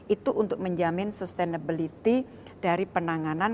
itu untuk menjamin sustainability dari penanganan